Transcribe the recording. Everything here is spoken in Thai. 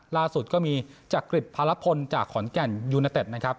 ล่าสุดก็มีจักริจพารพลจากขอนแก่นยูเนเต็ดนะครับ